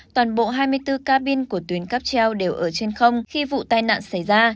toàn bộ hai mươi bốn cabin của tuyến cáp treo đều ở trên không khi vụ tai nạn xảy ra